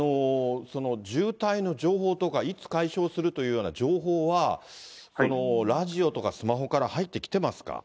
渋滞の情報とか、いつ解消するというような情報は、ラジオとかスマホから入ってきてますか。